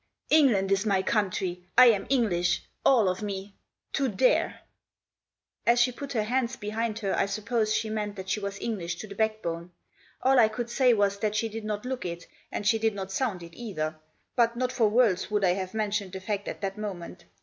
"England is my country. I am English— all of me !— to there !" As she put her hands behind her I suppose she meant that she was English to the backbone. All I could say was that she did not look it, and she did not sound it either. But not for worlds would I have mentioned the fact at that moment.